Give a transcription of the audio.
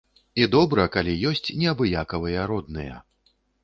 І добра, калі ёсць неабыякавыя родныя.